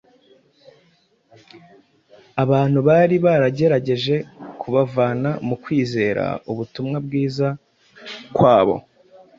Abantu bari baragerageje kubavana mu kwizera ubutumwa bwiza kwabo,